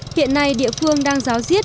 hiện nay địa phương đang giáo diết